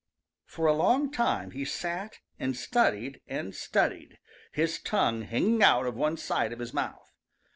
For a long time he sat and studied and studied, his tongue hanging out of one side of his mouth.